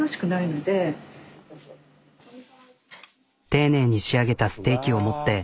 丁寧に仕上げたステーキを持っていよいよ本番。